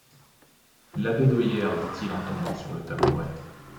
Labédoyère! dit-il en tombant sur le tabouret.